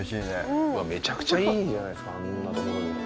めちゃくちゃいいじゃないですかあんな所で。